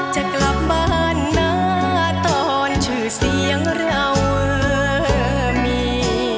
จะกลับบ้านหน้าตอนชื่อเสียงเรามี